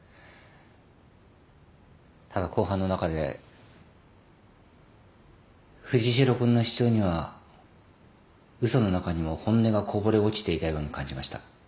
ただ公判の中で藤代君の主張には嘘の中にも本音がこぼれ落ちていたように感じました。